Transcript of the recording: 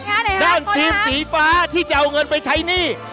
ด้านทีมสีฟ้าที่จะเอาเงินไปใช้หนี้